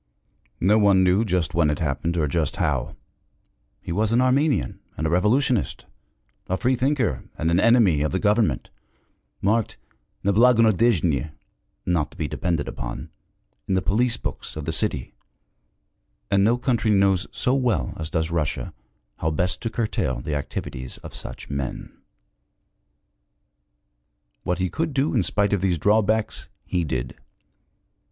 No one knew just when it happened, or just how: he was an Armenian and a revolutionist, a freethinker and an enemy of the government, marked 'neblagonadejny' (not to be depended upon) in the police books of the city and no country knows so well as does Russia how best to curtail the activities of such men. What he could do in spite of these drawbacks, he did.